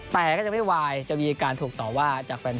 แต่ก็จะไม่ไหวจะมีการถูกต่อว่าจากแฟน